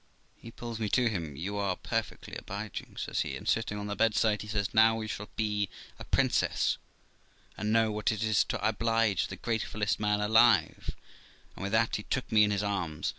He pulls me to him. 'You are perfectly obliging', says he; and, sitting on the bedside, says he, 'Now you shall be a prin cess, and know what it is to oblige the gratefullest man alive'; and with that he took me in his arms.